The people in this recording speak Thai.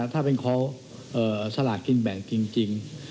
ถ้าเป็นเขาสลากกินแบ่งจริง